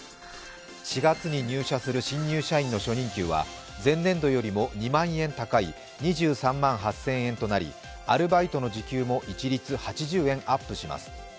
４月に入社する新入社員の初任給は前年度よりも２万円高い２３万８０００円となりアルバイトの時給も一律８０円アップします。